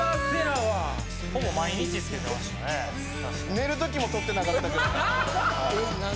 寝る時もとってなかったぐらい。